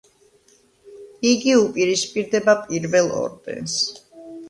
იგი უპირისპირდება პირველ ორდენს.